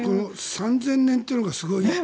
３０００年ってのがすごい。